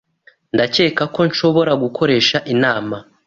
Ndakeka ko nshobora gukoresha inama.